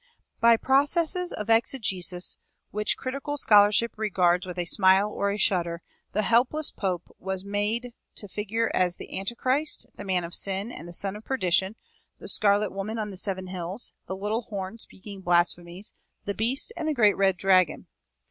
By processes of exegesis which critical scholarship regards with a smile or a shudder, the helpless pope was made to figure as the Antichrist, the Man of Sin and Son of Perdition, the Scarlet Woman on the Seven Hills, the Little Horn Speaking Blasphemies, the Beast, and the Great Red Dragon.